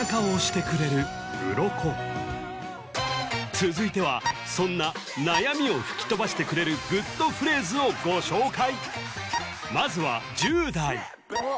続いてはそんな悩みを吹き飛ばしてくれるグッとフレーズをご紹介